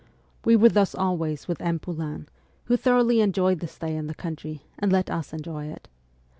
We were thus always with M. Poulain, who thoroughly enjoyed the stay in the country, and let us enjoy it.